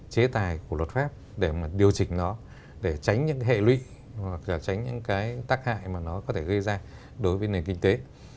chế tài của luật pháp để mà điều chỉnh nó để tránh những cái hệ lụy hoặc là tránh những cái tác hại mà nó có thể gây ra đối với nền kinh tế